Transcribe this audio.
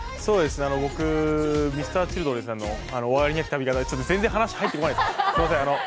僕、Ｍｒ．Ｃｈｉｌｄｒｅｎさんの「終わりなき旅」ちょっと全然話が入ってこないです。